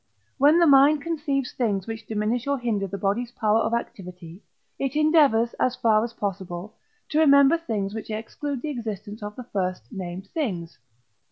When the mind conceives things which diminish or hinder the body's power of activity, it endeavours, as far as possible, to remember things which exclude the existence of the first named things.